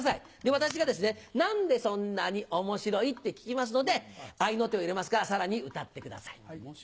私が「何でそんなに面白い？」って聞きますので合いの手を入れますからさらに歌ってください。